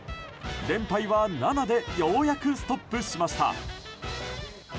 連敗は７でようやくストップしました。